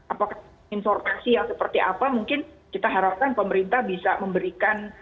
apakah informasi yang seperti apa mungkin kita harapkan pemerintah bisa memberikan